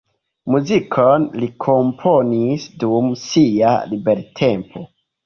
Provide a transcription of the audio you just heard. Muzikon li komponis dum sia libertempo.